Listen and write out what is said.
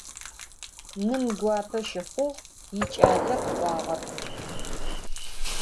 Nım guape şıxhuğ yiç'ale khı'uağer.